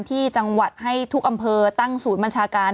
ที่จังหวัดให้ทุกอำเภอตั้งศูนย์บัญชาการ